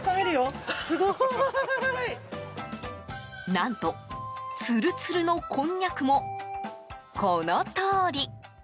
何と、ツルツルのこんにゃくもこのとおり。